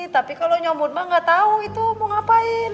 tapi kalau nyobot mah gak tau itu mau ngapain